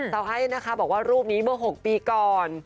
สาวให้นะคะบอกว่ารูปนี้เมื่อ๖ปีก่อน